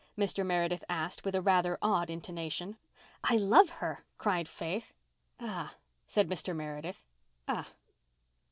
Mr. Meredith asked, with a rather odd intonation. "I love her," cried Faith. "Ah!" said Mr. Meredith. "Ah!"